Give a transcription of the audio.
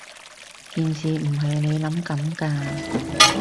件事唔係你諗噉㗎